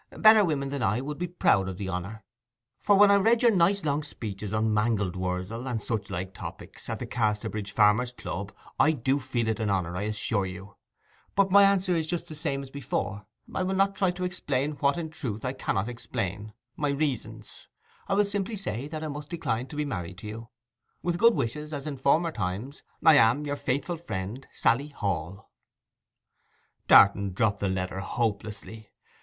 Better women than I would be proud of the honour, for when I read your nice long speeches on mangold wurzel, and such like topics, at the Casterbridge Farmers' Club, I do feel it an honour, I assure you. But my answer is just the same as before. I will not try to explain what, in truth, I cannot explain—my reasons; I will simply say that I must decline to be married to you. With good wishes as in former times, I am, your faithful friend, 'SALLY HALL.' Darton dropped the letter hopelessly.